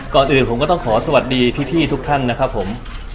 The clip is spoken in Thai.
ก่อนอื่นผมก็ต้องขอสวัสดีพี่ทุกท่านนะครับผม